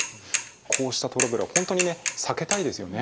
こうしたトラブルは本当にね避けたいですよね。